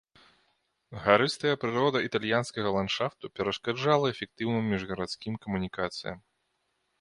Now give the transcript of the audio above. Гарыстая прырода італьянскага ландшафту перашкаджала эфектыўным міжгарадскім камунікацыям.